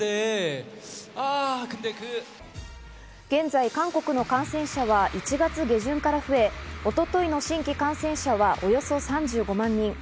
現在、韓国の感染者は１月下旬から増え、一昨日の新規感染者はおよそ３５万人。